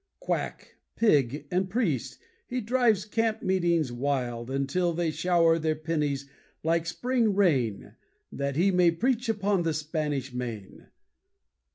Quack, pig, and priest, he drives camp meetings wild Until they shower their pennies like spring rain That he may preach upon the Spanish main.